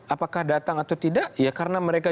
apakah datang atau tidak ya karena mereka